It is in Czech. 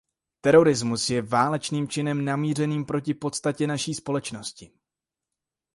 Terorismus je válečným činem, namířeným proti podstatě naší společnosti.